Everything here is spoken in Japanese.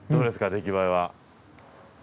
出来栄えは。